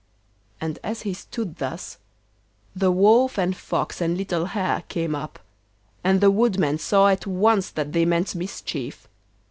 And as he stood thus, the Wolf and Fox and little Hare came up, and the woodman saw at once that they meant mischief.